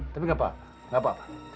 tapi tidak apa apa tidak apa apa